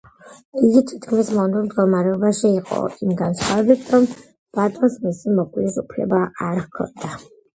იგი თითქმის მონურ მდგომარეობაში იყო იმ განსხვავებით, რომ ბატონს მისი მოკვლის უფლება არ ჰქონდა.